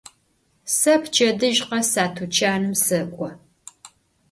Se pçedıj khes a tuçanım sek'o.